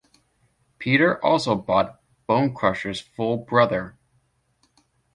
Peter also bought Bonecrusher's full brother.